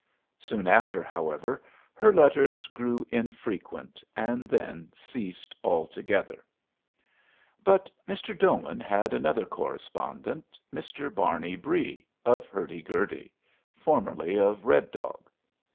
Soon after, however, her letters grew infrequent, and then ceased altogether. But Mr. Doman had another correspondent, Mr. Barney Bree, of Hurdy Gurdy, formerly of Red Dog.